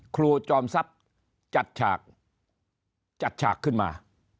ครูจอมทรัพย์จัดฉากจัดฉากขึ้นมา